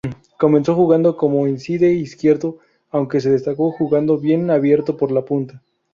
Comenzó jugando como Inside izquierdo, aunque se destacó jugando bien abierto por la punta.